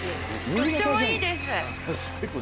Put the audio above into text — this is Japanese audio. とってもいいです。